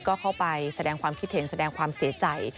ก็เข้าไปแสดงความคิดเห็นแสดงความเสียใจ